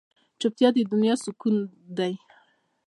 چوپتیا، د دنیا سکون دی.